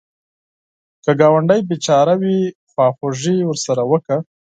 که ګاونډی بېچاره وي، خواخوږي ورسره وکړه